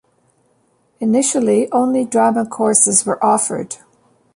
Initially only drama courses were offered.